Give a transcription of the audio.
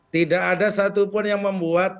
tidak ada satupun yang membuat